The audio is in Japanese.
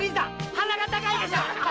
鼻が高いでしょ！